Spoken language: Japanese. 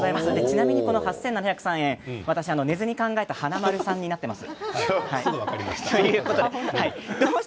ちなみに８７０３円は私が寝ずに考えた華丸さんになっています。